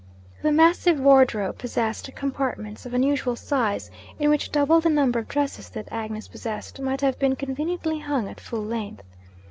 The massive wardrobe possessed compartments of unusual size, in which double the number of dresses that Agnes possessed might have been conveniently hung at full length.